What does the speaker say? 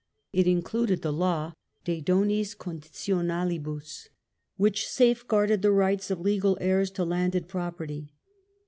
It included the law de donis conditionalibus, which safe guarded the rights of legal heirs to landed property.